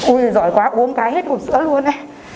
ui giỏi quá uống cái hết hộp sữa luôn